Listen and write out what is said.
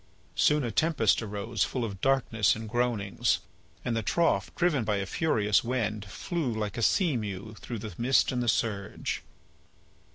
Soon a tempest arose full of darkness and groanings, and the trough, driven by a furious wind, flew like a sea mew through the mist and the surge.